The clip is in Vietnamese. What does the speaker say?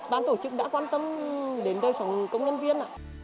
các bán tổ chức đã quan tâm đến đây cho công nhân viên